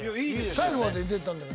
最後まで出てたんだよ